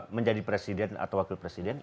menjadi presiden atau wakil presiden